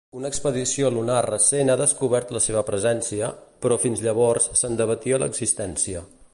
Una expedició lunar recent ha descobert la seva presència, però fins llavors se'n debatia l'existència.